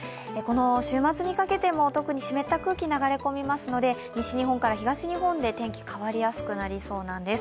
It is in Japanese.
週末にかけても特に湿った空気が流れ込みますので、西日本から東日本で天気、変わりやすくなりそうなんです。